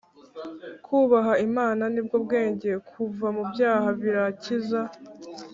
Kubaha imana nibwo bwenge kuva mubyaha birakiza